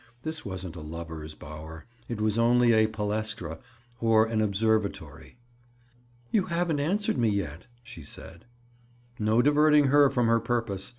This wasn't a lovers' bower; it was only a palestra, or an observatory. "You haven't answered me yet," she said. No diverting her from her purpose!